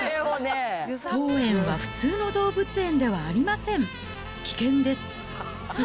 当園は普通の動物園ではありません、危険です。